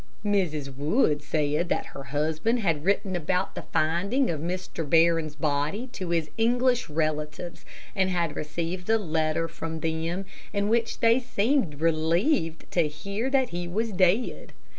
Mrs. Wood said that her husband had written about the finding of Mr. Barron's body to his English relatives, and had received a letter from them in which they seemed relieved to hear that he was dead.